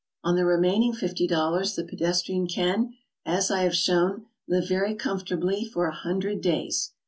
On the remaining fifty dollars the pedestrian can, as I have shown, live very comfortably for a hundred days."